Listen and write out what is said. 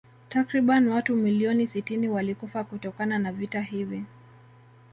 Takriban watu milioni sitini walikufa kutokana na vita hivi